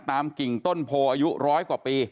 กิ่งต้นโพอายุร้อยกว่าปี